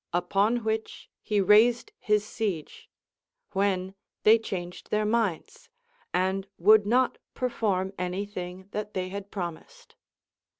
Upon which he raised his siege ; when they changed their minds, and would not per form any thing that they had promised.